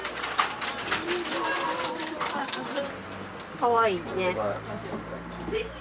かわいいね。